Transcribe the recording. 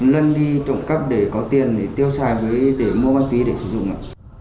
lân đi trộm cắp để có tiền để tiêu xài để mua bán tí để sử dụng ạ